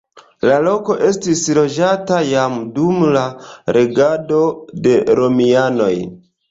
La loko estis loĝata jam dum la regado de romianoj.